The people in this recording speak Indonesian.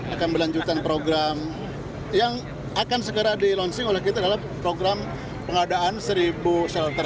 akan melanjutkan program yang akan segera di launching oleh kita adalah program pengadaan seribu shelter